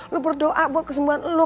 lu berdoa buat kesembuhan lu